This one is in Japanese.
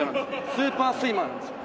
スーパースイマーなんですよ。